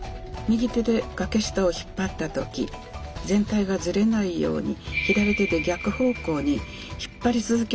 右手で掛下を引っ張った時全体がズレないように左手で逆方向に引っ張り続けないといけません。